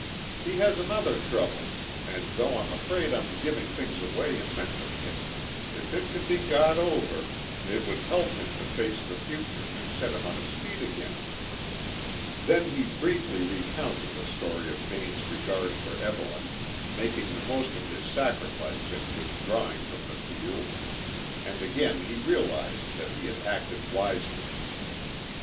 "He has another trouble, and though I'm afraid I'm giving things away in mentioning it, if it could be got over, it would help him to face the future and set him on his feet again." Then he briefly recounted the story of Vane's regard for Evelyn, making the most of his sacrifice in withdrawing from the field, and again he realised that he had acted wisely.